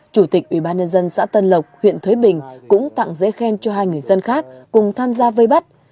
chủ tịch ubnd xã tân lộc huyện thới bình cũng tặng giấy khen cho hai người dân khác cùng tham gia vây bắt